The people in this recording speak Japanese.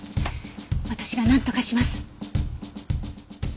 私がなんとかします。